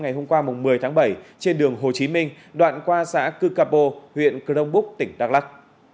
ngày hôm qua một mươi tháng bảy trên đường hồ chí minh đoạn qua xã cư capo huyện crong búc tỉnh đắk lắc